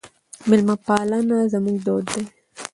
میلمه پالنه زموږ دود دی.